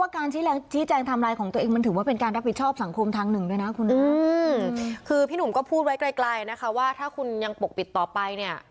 คือพี่หนุ่มก็พูดไว้ไกลนะคะว่าถ้าคุณยังปกปิดต่อไปเนี่ย